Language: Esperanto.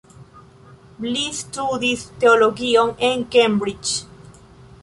Li studis teologion en Cambridge.